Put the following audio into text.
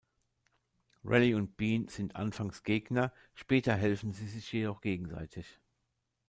Rally und Bean sind anfangs Gegner, später helfen sie sich jedoch gegenseitig.